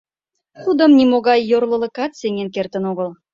Тудым нимогай йорлылыкат сеҥен кертын огыл.